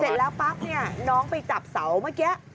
เสร็จแล้วปั๊บเนี่ยน้องไปจับเสาเมื่อกี้